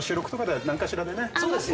そうですね。